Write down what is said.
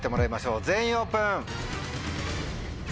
全員オープン。